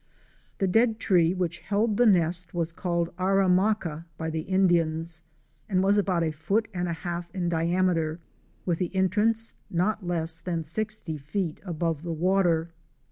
The dead tree which held the nest was called Aramaca by the Indians, and was about a foot and a half in diameter, with the entrance not less than sixty feet above the water.